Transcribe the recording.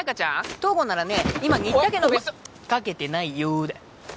東郷ならね今新田家のおいお前かけてないよーだ